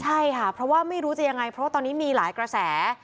ใช่ค่ะเพราะว่าไม่รู้จะยังไงเพราะว่าตอนนี้มีหลายกระแส